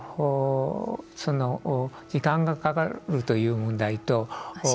その時間がかかるという問題と。